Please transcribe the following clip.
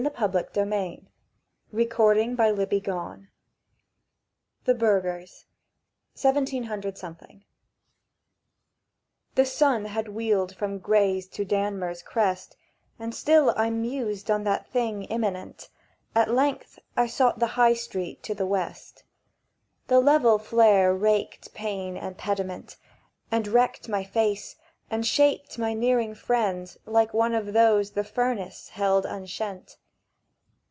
[Picture: Sketch of man in old street] THE BURGHERS (17–) THE sun had wheeled from Grey's to Dammer's Crest, And still I mused on that Thing imminent: At length I sought the High street to the West. The level flare raked pane and pediment And my wrecked face, and shaped my nearing friend Like one of those the Furnace held unshent.